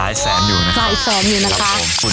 เดือนนี้ก็หลายแสนอยู่นะครับ